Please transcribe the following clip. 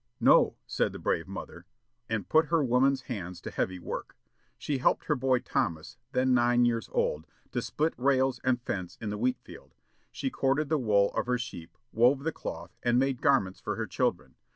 "No," said the brave mother, and put her woman's hands to heavy work. She helped her boy Thomas, then nine years old, to split rails and fence in the wheat field. She corded the wool of her sheep, wove the cloth, and made garments for her children.